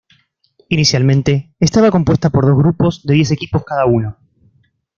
Inicialmente estaba compuesta por dos grupos de diez equipos cada uno.